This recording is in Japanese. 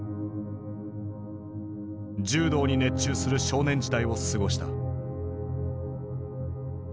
柔道に熱中する少年時代を過ごした。